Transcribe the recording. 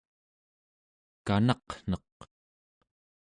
kanaqneq